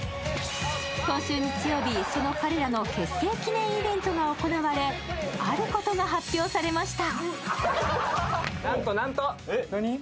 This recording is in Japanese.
今週日曜日、その彼らの結成記念イベントが行われあることが発表されました。